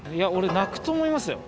泣くと思いますよ